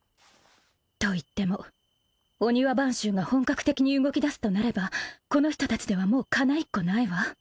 といっても御庭番衆が本格的に動きだすとなればこの人たちではもうかないっこないわ